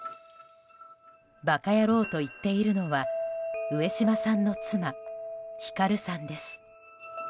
「ばかやろう」と言っているのは上島さんの妻・光さんです。